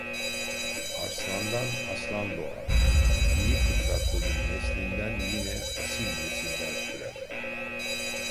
Aslandan aslan doğar! İyi fıtratlının neslinden yine asil nesiller türer.